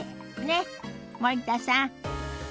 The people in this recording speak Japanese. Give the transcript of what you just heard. ねっ森田さん。